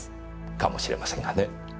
かもしれませんがね。